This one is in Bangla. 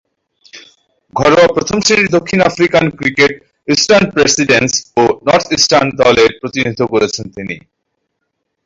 ঘরোয়া প্রথম-শ্রেণীর দক্ষিণ আফ্রিকান ক্রিকেটে ইস্টার্ন প্রভিন্স ও নর্থ ইস্টার্ন দলের প্রতিনিধিত্ব করেছেন তিনি।